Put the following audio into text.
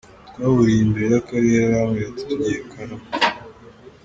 Twahuriye imbere y’akarere arambwira ati tugiye Karama.